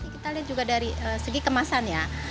kita lihat juga dari segi kemasan ya